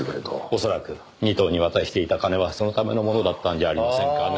恐らく仁藤に渡していた金はそのためのものだったんじゃありませんかね。